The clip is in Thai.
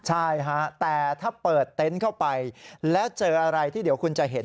ใช่ฮะแต่ถ้าเปิดเต็นต์เข้าไปแล้วเจออะไรที่เดี๋ยวคุณจะเห็น